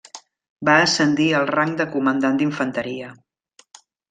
Va ascendir al rang de comandant d'infanteria.